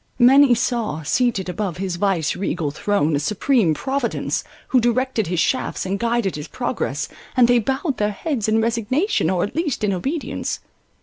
Many saw, seated above his vice regal throne, a supreme Providence, who directed his shafts, and guided his progress, and they bowed their heads in resignation, or at least in obedience.